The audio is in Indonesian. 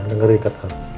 dengar ikat kamu